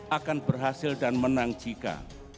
akan berhasil dan menang jika